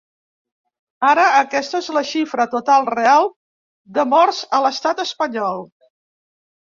Ara, aquesta és la xifra total real de morts a l’estat espanyol.